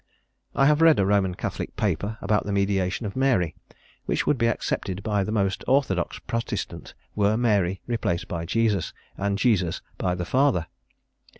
I have read a Roman Catholic paper about the mediation of Mary which would be accepted by the most orthodox Protestant were Mary replaced by Jesus, and Jesus by the Father.